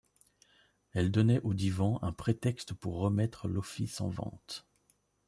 Elle donnait au Divan un prétexte pour remettre l'office en vente.